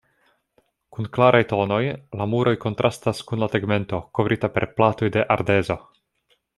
Kun klaraj tonoj, la muroj kontrastas kun la tegmento, kovrita per platoj de ardezo.